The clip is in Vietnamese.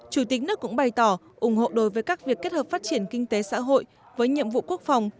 chủ tịch nước cũng bày tỏ ủng hộ đối với các việc kết hợp phát triển kinh tế xã hội với nhiệm vụ quốc phòng